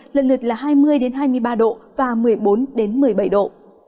lần lượt là hai mươi đến hai mươi ba độ và một mươi bốn đến một mươi bảy độ